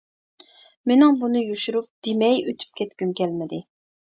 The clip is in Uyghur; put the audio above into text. مېنىڭ بۇنى يوشۇرۇپ دېمەي ئۆتۈپ كەتكۈم كەلمىدى.